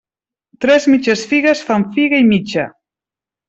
Tres mitges figues fan figa i mitja.